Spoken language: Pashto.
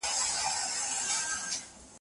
زه په کمپيوټر کي پروژه جوړوم.